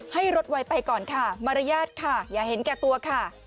ให้รถไวไปก่อนค่ะมารยาทค่ะอย่าเห็นแก่ตัวค่ะ